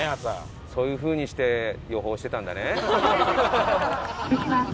そういう風にして予報してたんだね。